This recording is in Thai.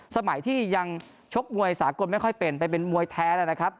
สมัยที่ยังชกมวยสากลไม่ค่อยเป็นไปเป็นมวยแท้แล้วนะครับ